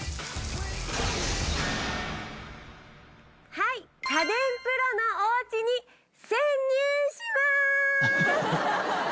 はい家電プロのお家に潜入します！